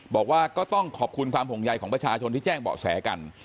บอกว่าก็ต้องขอบคุณความห่วงใยของประชาชนที่แจ้งเบาะแสกัน